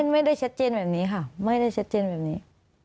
ไม่ได้ชัดเจนแบบนี้ค่ะไม่ได้ชัดเจนแบบนี้